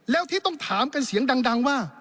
แล้วที่ต้องถามกันเสียงดังว่า